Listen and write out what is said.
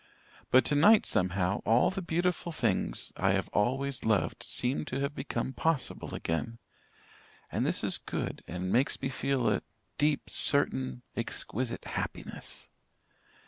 But tonight somehow, all the beautiful things I have always loved seem to have become possible again and this is good, and makes me feel a deep, certain, exquisite happiness.